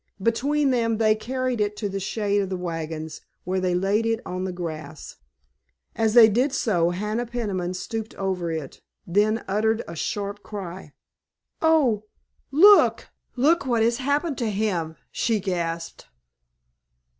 Between them they carried it to the shade of the wagons, where they laid it on the grass. As they did so Hannah Peniman stooped over it, then uttered a sharp cry. "Oh, look, look what has happened to him!" she gasped.